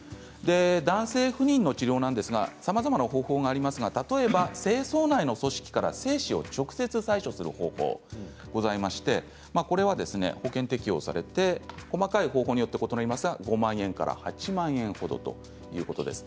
男性不妊の治療ですがさまざまな方法がありますが例えば精巣内の組織から精子を直接採取する方法がございましてこれは保険適用されて細かい方法によって異なりますが５万円から８万円ほどです。